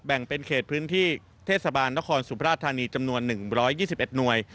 แบ่งเป็นเขตพื้นที่เทศบาลนครสุมราชธานีจำนวน๑๒๑หน่วย